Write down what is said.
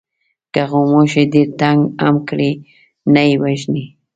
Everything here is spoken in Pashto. که غوماشی ډېر تنگ هم کړي نه یې وژنې.